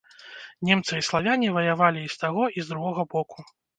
Немцы і славяне ваявалі і з таго, і з другога боку.